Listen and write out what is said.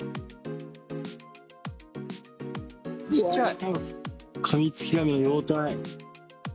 「ちっちゃい」